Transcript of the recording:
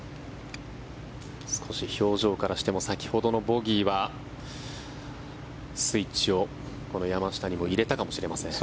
少し表情からしても先ほどのボギーはスイッチを山下にも入れたかもしれません。